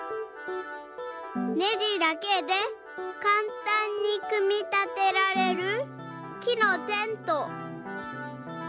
ねじだけでかんたんに組み立てられる木のテント。